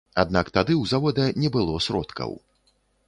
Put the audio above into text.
Аднак тады ў завода не было сродкаў.